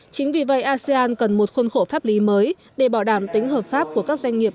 chính vì vậy asean cần một khuôn khổ pháp lý mới để bảo đảm tính hợp pháp của các doanh nghiệp